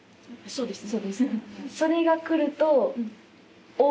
そうですね。